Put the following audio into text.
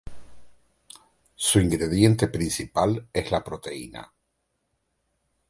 Su ingrediente principal es la proteína.